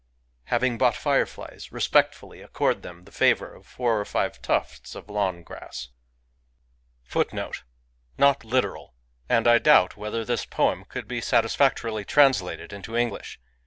Having bought fireflies, respectfully accord them the favour of four or five tufts of lawn grass !^ 1 Not literal ; and I doubt whether this poem could be sadt&ctorily tranilated into English.